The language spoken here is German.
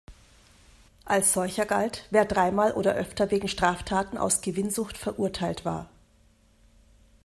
Als solcher galt, wer dreimal oder öfter wegen Straftaten aus Gewinnsucht verurteilt war.